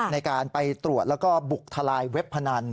ในการไปตรวจแล้วก็บุกทลายเว็บพนัน